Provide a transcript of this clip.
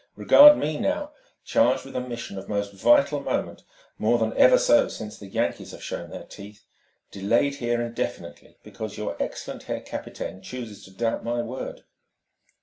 "Regard me now, charged with a mission of most vital moment more than ever so since the Yankees have shown their teeth delayed here indefinitely because your excellent Herr Captain chooses to doubt my word."